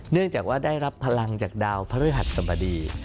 เนื่องจากว่าได้รับพลังจากดาวพระฤหัสสบดี